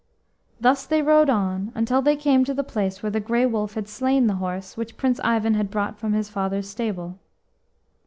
Thus they rode on until they came to the place where the Grey Wolf had slain the horse which Prince Ivan had brought from his father's stable.